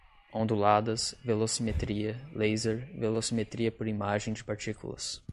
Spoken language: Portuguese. onduladas, velocimetria laser, velocimetria por imagem de partículas